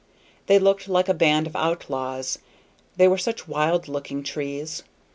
They looked like a band of outlaws; they were such wild looking trees.